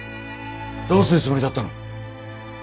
どうするつもりだったの？